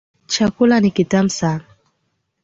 Chakula ni kitamu.